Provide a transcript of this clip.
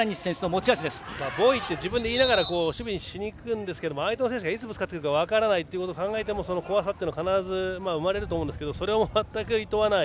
ボイって自分で言いながら守備をしにいくんですが相手の選手がいつぶつかってくるか分からないということを考えるとその怖さは必ず生まれると思いますがそれもいとわない